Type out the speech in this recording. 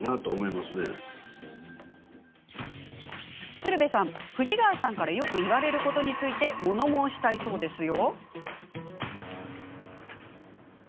鶴瓶さん、藤ヶ谷さんからよく言われることにもの申したいそうですよ。